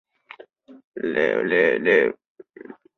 结果帕欧拉便开始笑。